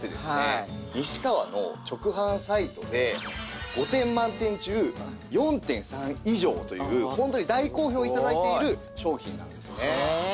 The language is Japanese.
西川の直販サイトで５点満点中４．３以上というホントに大好評頂いている商品なんですね。